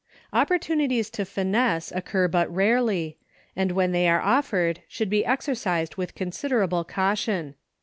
Opportunities to finesse occur but rarely, and when they are offered should be exercised with considerable caution.